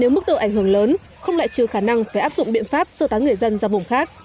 nếu mức độ ảnh hưởng lớn không lại trừ khả năng phải áp dụng biện pháp sơ tán người dân ra vùng khác